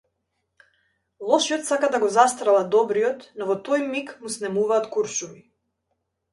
Лошиот сака да го застрела добриот, но во тој миг му снемуваат куршуми.